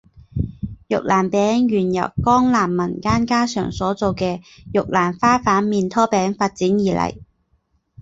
玉兰饼原由江南民间家常所做的玉兰花瓣面拖饼发展而来。